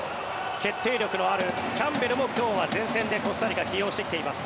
決定力のあるキャンベルも今日は前線でコスタリカは起用してきています。